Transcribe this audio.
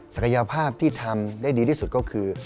ศักยภาพที่ทำได้ดีที่สุดก็คือ